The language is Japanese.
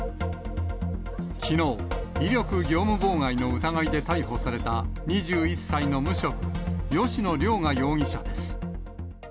きのう、威力業務妨害の疑いで逮捕された、２１歳の無職、吉野凌雅容疑者です。